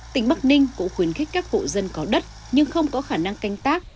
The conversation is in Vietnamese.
tỉnh bắc ninh cũng khuyến khích các hộ dân có đất nhưng không có khả năng canh tác